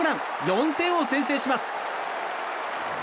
４点を先制します。